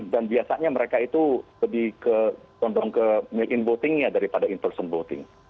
dan biasanya mereka itu lebih ke mail in votingnya daripada in person voting